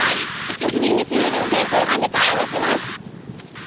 殺人未遂容疑の現行犯で逮捕します！